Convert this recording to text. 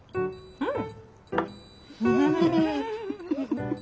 うん。